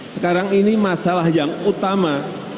sekarang ini masalah yang utama